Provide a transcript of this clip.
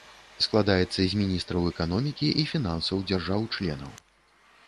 Складаецца з міністраў эканомікі і фінансаў дзяржаў-членаў.